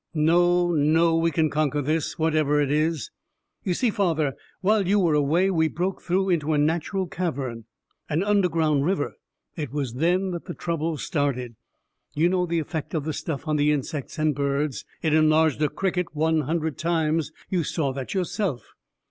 "No, no. We can conquer this, what ever it is." "You see, father, while you were away, we broke through into a natural cavern, an underground river. It was then that the trouble started. You know the effect of the stuff on the insects and birds. It enlarged a cricket one hundred times. You saw that yourself.